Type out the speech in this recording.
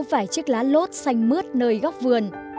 vài chiếc lá lốt xanh mứt nơi góc vườn